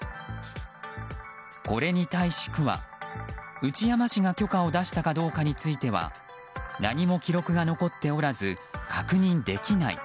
これに対し区は、内山氏が許可を出したかどうかについては何も記録が残っておらず確認できない。